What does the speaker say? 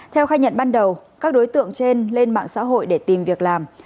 theo khai nhận ban đầu các đối tượng trên lên mạng xã hội để tìm việc làm